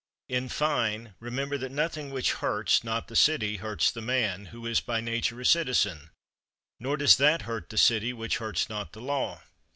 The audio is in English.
In fine, remember that nothing which hurts not the city hurts the man who is by nature a citizen; nor does that hurt the city which hurts not the law.